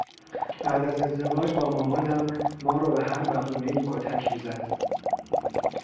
بعد از ازدواج با مامانم ما رو به هر بهونه ای کتک می زد